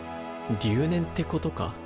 留年ってことか？